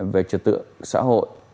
về trật tựa xã hội